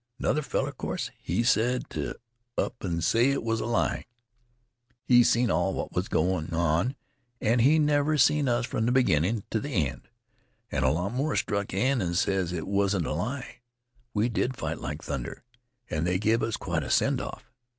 Another feller, 'a course, he had t' up an' say it was a lie he seen all what was goin' on an' he never seen us from th' beginnin' t' th' end. An' a lot more struck in an' ses it wasn't a lie we did fight like thunder, an' they give us quite a send off.